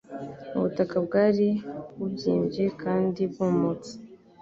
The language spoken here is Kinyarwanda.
Ubutaka bwari bubyimbye kandi bwumutse